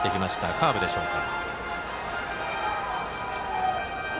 カーブでしょうか。